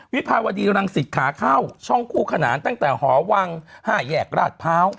วิภาวดีรังสิตขาเข้าช่องคู่ขนานตั้งแต่หอวัง๕แยกราชพร้าว